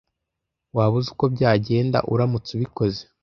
Waba uzi uko byagenda uramutse ubikoze?